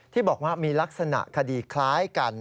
ที่บอกว่ามีลักษณะคดีคล้ายกัน